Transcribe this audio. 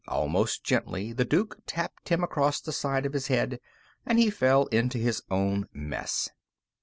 Almost gently, the Duke tapped him across the side of his head, and he fell into his own mess.